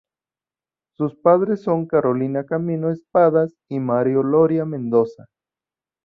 Sus padres son Carolina Camino Espadas y Mario Loria Mendoza.